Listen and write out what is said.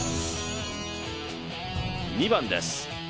２番です。